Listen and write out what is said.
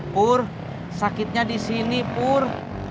pur sakitnya di sini pur